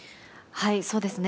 そうですね。